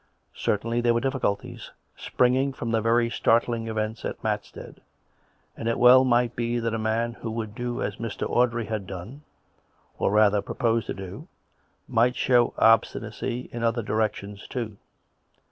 Certainly there were difficulties, springing from the very startling events at Matstead, and it well might be that a man who would do as Mr. Audrey had done (or, rather, proposed to do) might show obstinacy in other directions too.